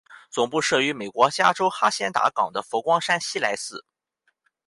总部设于美国加州哈仙达岗的佛光山西来寺。